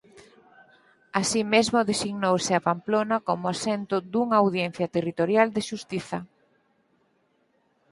Así mesmo designouse a Pamplona como asento dunha audiencia territorial de xustiza.